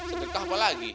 sedekah apa lagi